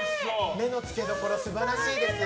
目の付けどころ素晴らしいです。